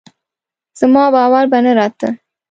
زما باور به نه راته